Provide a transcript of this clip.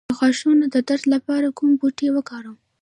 د غاښونو د درد لپاره کوم بوټی وکاروم؟